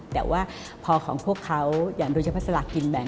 แต่ว่าพอของพวกเขาอย่างรุจพลัสละกินแบ่ง